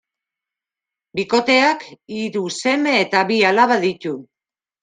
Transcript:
Bikoteak hiru seme eta bi alaba ditu.